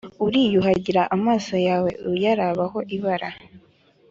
uriyuhagira amaso yawe uyarabaho ibara